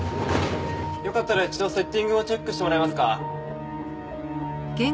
よかったら一度セッティングをチェックしてもらえますか？